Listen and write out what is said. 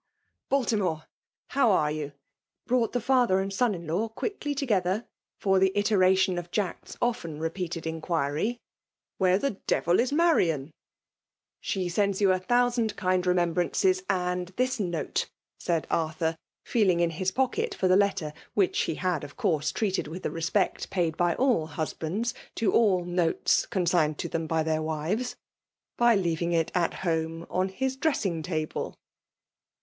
^Baltimore !— how arc you r brought dm father ' and 80& in*law quickly together, for the d2 <•*. 52 FEMALK DOMINATION*. iteration of Jack*8 often repeated inquiry '^'' Where the devil is Mariaai F' ''She sends you a thousaiid kind remeni'^ trances, and this note," said Arthur, feeKng in his pocket for the letter, which he hadt)f eourse treated with the respect paid by all husbands to all notes consigned to them by their wites, by leaving it at home on his dressing table.